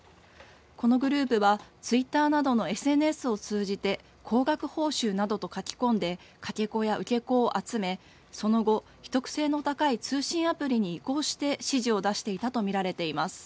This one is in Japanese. このグループはツイッターなどのＳＮＳを通じて高額報酬などと書き込んでかけ子や受け子を集めその後、秘匿性の高い通信アプリに移行して指示を出していたと見られています。